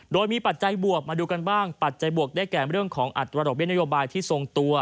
โดยมีปัจจัยบวกมาดูกันบ้างปัจจัยบวกได้แก่เรื่องของอัตราดอกเบี้นโยบายที่ทรงตัว